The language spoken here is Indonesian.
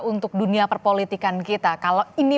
untuk dunia perpolitikan kita kalau ini